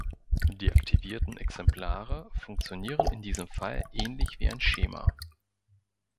Die aktivierten Exemplare funktionieren in diesem Fall ähnlich wie ein Schema.